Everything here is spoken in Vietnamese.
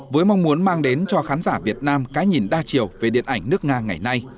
với mong muốn mang đến cho khán giả việt nam cái nhìn đa chiều về điện ảnh nước nga ngày nay